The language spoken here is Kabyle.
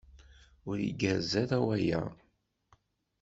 Ur igerrez ara waya?